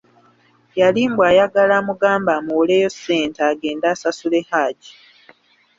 Yali mbu ayagala amugambe amuwoleyo ssente agnda asasule Hajji.